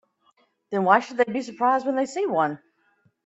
Then why should they be surprised when they see one?